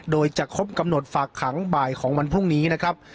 โดยจะครบกำหนดฝากขังบ่ายของวันพรุ่งนี้นะครับ